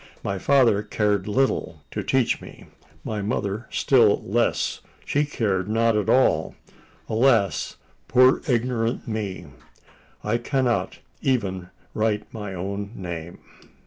My father cared little to teach me my mother still less: she cared not at all. Alas! poor ignorant me: I cannot even write my own name!"